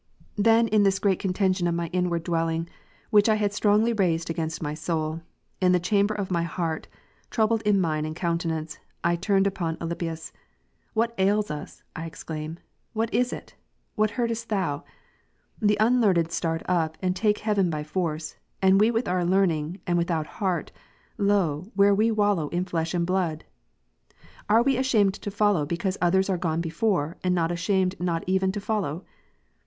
Then in this great contention of my inward dwelling, which I had strongly raised against my soul, in th2 is. 26, chamber of my heart, troubled in mind and countenance, I g^ '^"*' turned upon Alypius. " What ails us ?" I exclaim :" what is it? what heardest thou? The unlearned start up and take heaven by force, and we with our learning, and without Mat. 6, heart, lo, where we wallow in flesh and blood ! Are we ashamed to follow, because others are gone before, and not ashamed not even to follow